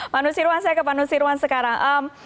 pak nusirwan saya ke pak nusirwan sekarang